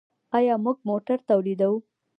آیا موږ موټر تولیدوو؟